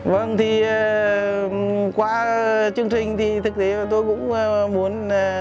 vâng thì qua chương trình thì thực tế tôi cũng muốn